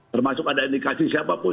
termasuk ada indikasi siapapun